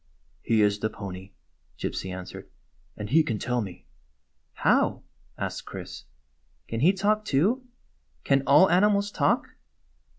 "He is the pony," Gypsy answered; "and he can tell me." "How?" asked Chris. "Can he talk, too? Can all animals talk?"